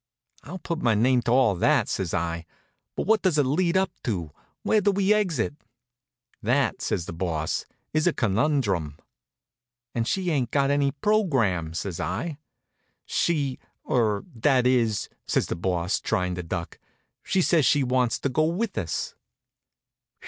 "I'll put my name to all that," says I, "but what does it lead up to; where do we exit?" "That," says the Boss, "is a conundrum." "Ain't she got any programme?" says I. "She er that is," says the Boss, trying to duck, "she says she wants to go with us."